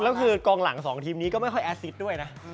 แล้วคือกองหลัง๒ทีมนี้ก็ไม่ค่อยแอสซิดด้วยนะ